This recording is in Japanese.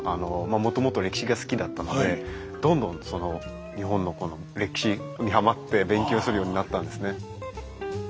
もともと歴史が好きだったのでどんどんその日本のこの歴史にはまって勉強するようになったんですね。